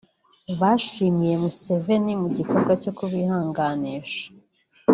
bashimiye Museveni ku gikorwa cyo kubihanganisha